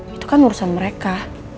itu kan urusan mereka